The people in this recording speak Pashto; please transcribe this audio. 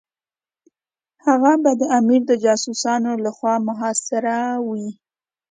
هغه به د امیر د جاسوسانو لخوا محاصره وي.